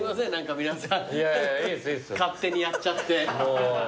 勝手にやっちゃって。